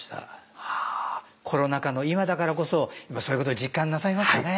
コロナ禍の今だからこそ今そういうこと実感なさいますね。